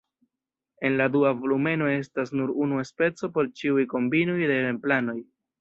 En la dua volumeno estas nur unu speco por ĉiuj kombinoj de templanoj.